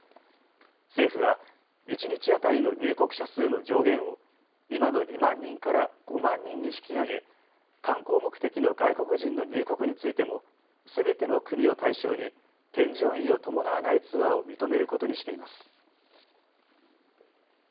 政府は一日当たりの入国者数の上限を今の２万人から５万人に引き上げ観光目的の外国人の入国についてもすべての国を対象に添乗員を伴わないツアーを認めることにしています。